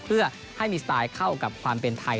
เพื่อให้มีสไตล์เข้ากับความเป็นไทย